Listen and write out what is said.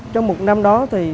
trong một năm đó thì